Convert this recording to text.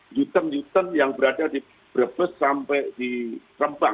newton newton yang berada di brebes sampai di rembang